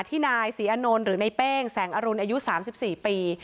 ที่นายศรีอานนท์หรือในเป้งแสงอรุณอายุ๓๔ปี